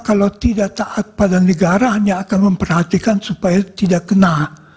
kalau tidak taat pada negara hanya akan memperhatikan supaya tidak kena